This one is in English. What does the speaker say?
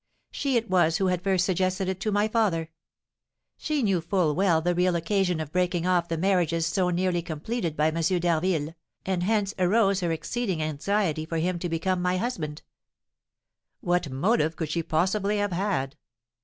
She it was who had first suggested it to my father; she knew full well the real occasion of breaking off the marriages so nearly completed by M. d'Harville, and hence arose her exceeding anxiety for him to become my husband." "What motive could she possibly have had?"